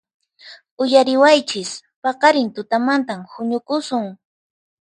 ¡Uyariwaychis! ¡Paqarin tutamantan huñukusun!